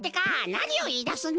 なにをいいだすんだ！